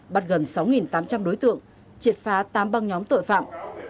bắt gần sáu tám trăm linh đối tượng triệt phá tám băng nhóm tội phạm